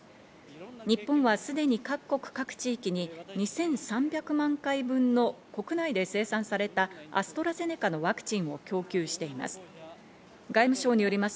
日本はすでに各国各地域に２３００万回分の国内で生産されたアストラゼネカのワクチンを供給しています。